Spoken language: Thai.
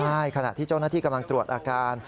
ใช่ขณะที่เจ้าหน้าที่กำลังตรวจอาการ